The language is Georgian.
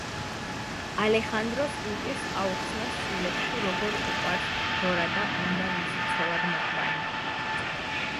ალეხანდროს უჭირს აუხსნას შვილებს თუ როგორ უყვარს დორა და უნდა მისი ცოლად მოყვანა.